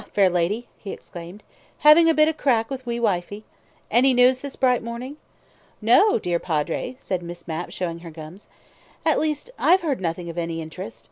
lady fair," he exclaimed. "Having a bit crack with wee wifey? Any news this bright morning?" "No, dear Padre," said Miss Mapp, showing her gums. "At least, I've heard nothing of any interest.